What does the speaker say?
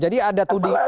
jadi ada tuding